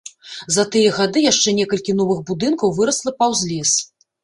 За тыя гады яшчэ некалькі новых будынкаў вырасла паўз лес.